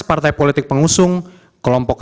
partai politik pengusung kelompok